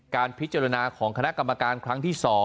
การพิจารณาของคณะกรรมการครั้งที่๒